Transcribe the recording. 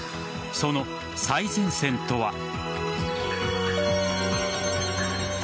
その最前線とは。